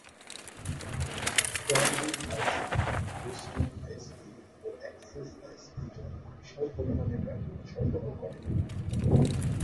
Transit ISP hosting ISP ও access ISP জন্য বিশাল পরিমানে ব্যান্ডউইথ সরবরাহ করে।